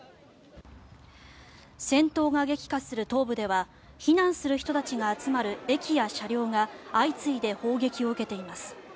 戦闘が激化する東部では避難している人たちが集まる駅や車両が相次いで砲撃を受けています。